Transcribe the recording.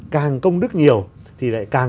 càng công đức nhiều thì lại càng